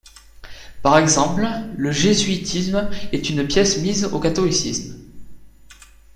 Par exemple, le jésuitisme est une pièce mise au catholicisme.